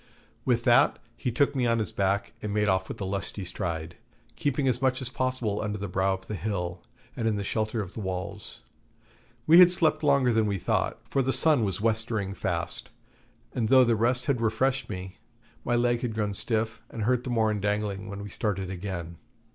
With that he took me on his back and made off with a lusty stride, keeping as much as possible under the brow of the hill and in the shelter of the walls. We had slept longer than we thought, for the sun was westering fast, and though the rest had refreshed me, my leg had grown stiff, and hurt the more in dangling when we started again.